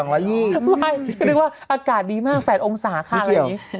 ไม่นึกว่าอากาศดีมาก๘องศาค่ะอะไรอย่างนี้